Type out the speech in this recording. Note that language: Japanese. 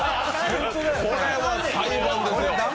これは裁判ですよ。